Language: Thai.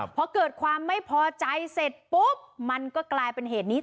พอเกิดความไม่พอใจเสร็จปุ๊บมันก็กลายเป็นเหตุนี้